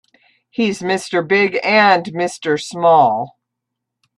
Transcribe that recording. He's Mr. Big and Mr. Small.